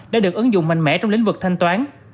đã được ứng dụng mạnh mẽ trong lĩnh vực thanh toán